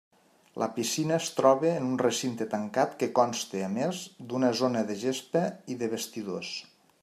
La piscina es troba en un recinte tancat que consta a més d'una zona de gespa i de vestidors.